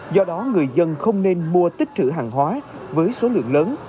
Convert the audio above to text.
do đó người dân không nên mua tích trữ hàng hóa với số lượng lớn